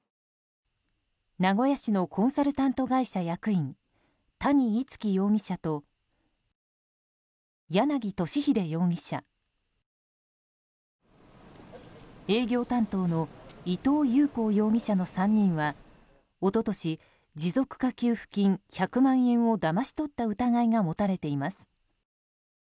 名古屋市のコンサルタント会社役員谷逸輝容疑者と柳俊秀容疑者営業担当の伊藤勇孝容疑者の３人は一昨年持続化給付金１００万円をだまし取った疑いが持たれています。